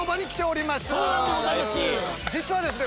実はですね